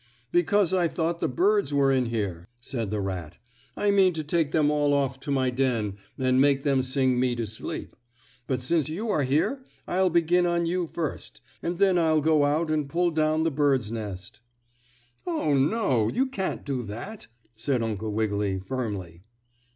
"Because I thought the birds were in here," said the rat. "I mean to take them all off to my den and make them sing me to sleep. But since you are here, I'll begin on you first, and then I'll go out and pull down the birds' nest." "Oh, no, you can't do that," said Uncle Wiggily firmly.